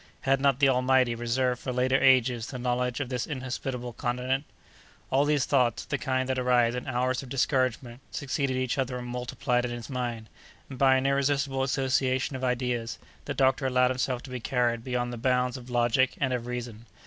Had not the Almighty reserved for later ages the knowledge of this inhospitable continent? All these thoughts, of the kind that arise in hours of discouragement, succeeded each other and multiplied in his mind, and, by an irresistible association of ideas, the doctor allowed himself to be carried beyond the bounds of logic and of reason.